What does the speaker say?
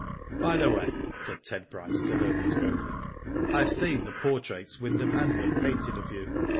*' By the way," said Ted Bryce to Herbert Golding, " I have seen the portraits Wyndham Hanworth painted of you.